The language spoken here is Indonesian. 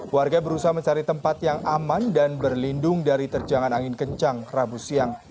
warga berusaha mencari tempat yang aman dan berlindung dari terjangan angin kencang rabu siang